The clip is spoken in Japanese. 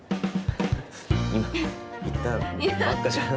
今言ったばっかじゃん。